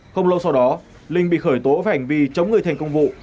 không lâu sau đó linh bị khởi tố về hành vi chống người thành công vụ